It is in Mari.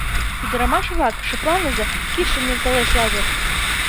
— Ӱдырамаш-влак, шыпланыза! — кидшым нӧлталеш Лазыр.